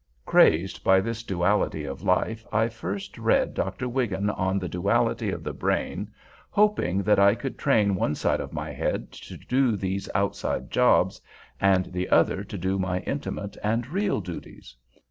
Crazed by this duality of life, I first read Dr. Wigan on the Duality of the Brain, hoping that I could train one side of my head to do these outside jobs, and the other to do my intimate and real duties.